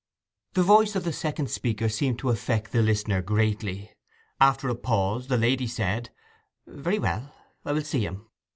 The voice of the second speaker seemed to affect the listener greatly. After a pause, the lady said, 'Very well, I will see him.